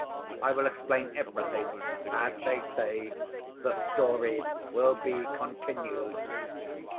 I will explain everything; as they say, 'the story will be continued.